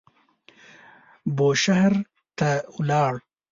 بوشهر ته ولاړ.